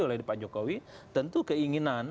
oleh pak jokowi tentu keinginan